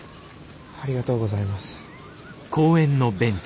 ありがとうございます。